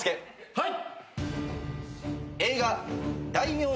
はい！